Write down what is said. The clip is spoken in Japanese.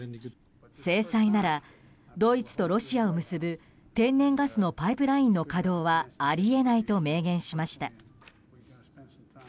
制裁なら、ドイツとロシアを結ぶ天然ガスのパイプラインの稼働はあり得ないと明言しました。